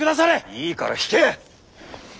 いいから引け！